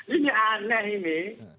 ini aneh ini